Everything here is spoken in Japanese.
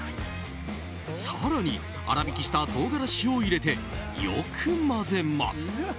更に、粗びきした唐辛子を入れてよく混ぜます。